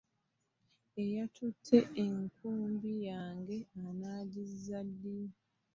Eyatutte enkumbi yange anaagizza ddi?